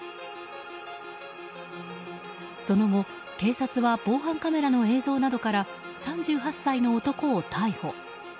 その後、警察は防犯カメラの映像などから３８歳の男を逮捕。